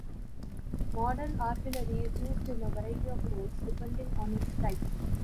Modern artillery is used in a variety of roles, depending on its type.